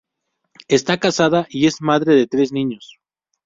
Está casada y es madre de tres niños.